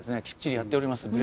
きっちりやっております